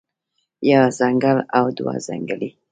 يوه څنګل او دوه څنګلې